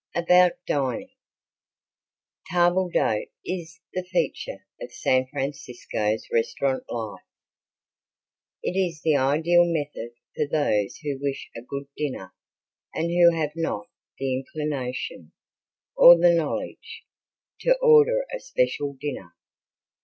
About Dining Table d'hote is the feature of San Francisco's restaurant life. It is the ideal method for those who wish a good dinner and who have not the inclination, or the knowledge, to order a special dinner.